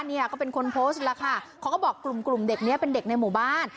เนี่ยก็เป็นคนโพสต์แล้วค่ะเขาก็บอกกลุ่มกลุ่มเด็กนี้เป็นเด็กในหมู่บ้าน